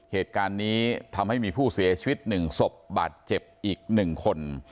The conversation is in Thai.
เหตุการณ์นี้ทำให้มีผู้เสียชีวิต๑ศพบาดเจ็บอีก๑คน